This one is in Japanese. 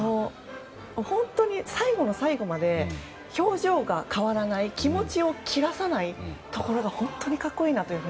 本当に最後の最後まで表情が変わらない気持ちを切らさないところが本当に格好いいなと。